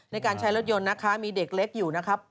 ในการใช้รถยนต์นะคะมีเด็กเล็กอยู่นะครับ